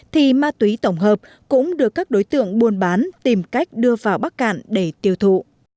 thì ma túy tổng hợp cũng được các đối tượng buôn bán tìm cách đưa vào bắc cạn để tiêu thụ